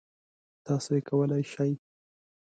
تاسو یې کولای شی.